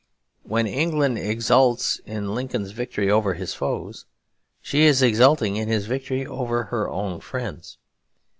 When England exults in Lincoln's victory over his foes, she is exulting in his victory over her own friends.